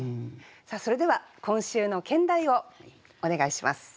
それでは今週の兼題をお願いします。